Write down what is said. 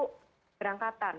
oke itu juga dengan waktu